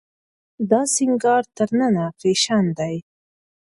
دا سينګار تر ننه فېشن دی.